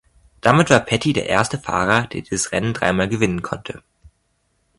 Damit war Petty der erste Fahrer, der dieses Rennen dreimal gewinnen konnte.